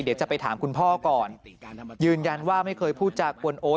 เดี๋ยวจะไปถามคุณพ่อก่อนยืนยันว่าไม่เคยพูดจากวนโอ๊ย